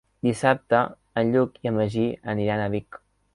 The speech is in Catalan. Dissabte en Lluc i en Magí aniran a Vic.